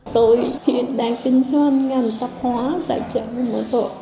tôi đang kinh doanh ngành tập hóa giải trí mua thuốc